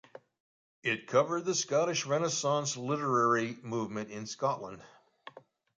It covered the Scottish Renaissance literary movement in Scotland.